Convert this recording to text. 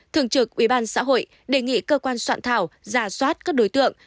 thường trực ubnd xã hội đề nghị cơ quan soạn thảo giả soát các đối tượng